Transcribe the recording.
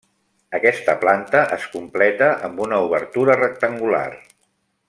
Aquesta planta es completa amb una obertura rectangular.